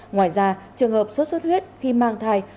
ngoài ra trường hợp sốt xuất huyết khi mang thai